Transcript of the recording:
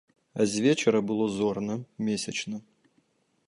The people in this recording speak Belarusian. А звечара было зорна, месячна.